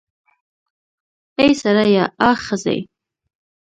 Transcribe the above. اې سړیه, آ ښځې